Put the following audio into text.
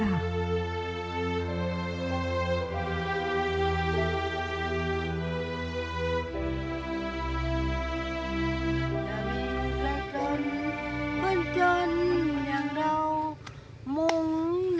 ท่านยังรักทุ่มเข้าให้มึง